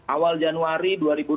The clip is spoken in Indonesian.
awal januari dua ribu dua puluh